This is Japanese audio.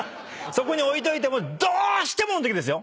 そこ置いといてもどうしてものときですよ。